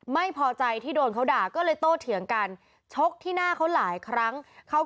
ไม่พอใจที่โดนเขาด่าก็เลยโต้เถียงกันชกที่หน้าเขาหลายครั้งเขา